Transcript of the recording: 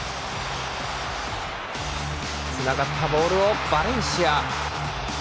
つながったボールをバレンシア。